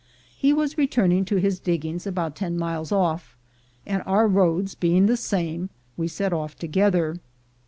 He was returning to his dig gings about ten miles off, and our roads being the same, we set out together.